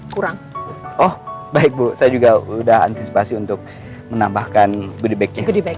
kurang oh baik bu saya juga udah antisipasi untuk menambahkan gede baiknya ya kasihankan